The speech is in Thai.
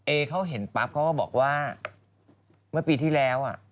เอเขาเห็นปั๊บเขาก็บอกว่าเมื่อปีที่แล้ว